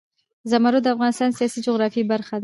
زمرد د افغانستان د سیاسي جغرافیه برخه ده.